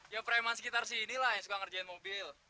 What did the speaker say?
ya preman sekitar sini lah yang suka ngerjain mobil